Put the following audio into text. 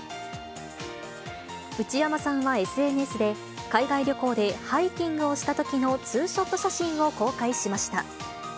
内山さんはＳＮＳで、海外旅行でハイキングをしたときのツーショット写真を公開しまし